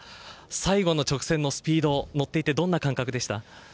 最後の直線のスピード乗っていて、どんな感覚でした？